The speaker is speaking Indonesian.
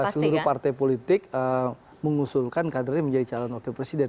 seluruh partai politik mengusulkan kadernya menjadi calon wakil presiden